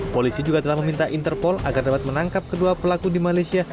polisi juga telah meminta interpol agar dapat menangkap kedua pelaku di malaysia